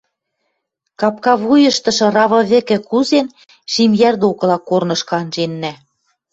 Капка вуйыштышы равы вӹкӹ кузен, Шимйӓр докыла корнышкы анженнӓ.